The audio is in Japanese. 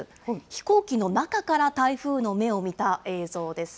飛行機の中から台風の目を見た映像です。